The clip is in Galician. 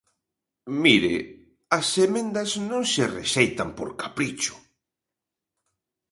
Mire, as emendas non se rexeitan por capricho.